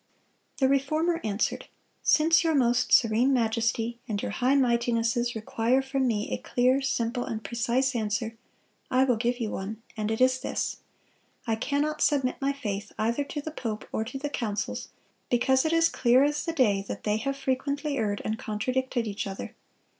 The Reformer answered: "Since your most serene majesty and your high mightinesses require from me a clear, simple, and precise answer, I will give you one, and it is this: I cannot submit my faith either to the pope or to the councils, because it is clear as the day that they have frequently erred and contradicted each other.